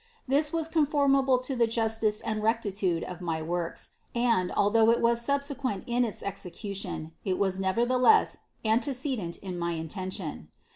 This was conformable to the justice and rectitude of my works, and, although it was subsequent in its execution, it was nevertheless antecedent in my intention.